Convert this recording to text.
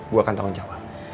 gue akan tanggung jawab